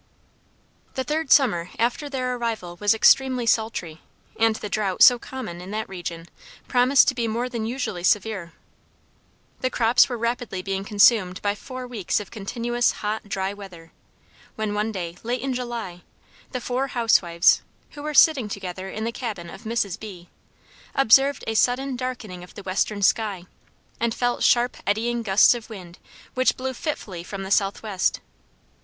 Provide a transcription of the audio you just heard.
The third summer after their arrival was extremely sultry, and the drought so common in that region, promised to be more than usually severe. The crops were rapidly being consumed by four weeks of continuous hot, dry weather, when one day late in July, the four housewives, who were sitting together in the cabin of Mrs. B , observed a sudden darkening of the western sky, and felt sharp eddying gusts of wind which blew fitfully from the southwest.